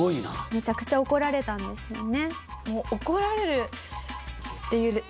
めちゃくちゃ怒られたんですよね？